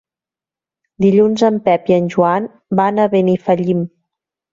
Dilluns en Pep i en Joan van a Benifallim.